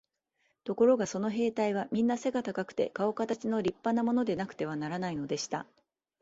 ところがその兵隊はみんな背が高くて、かおかたちの立派なものでなくてはならないのでした。